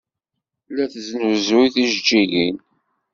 La tesnuzuy tijeǧǧigin.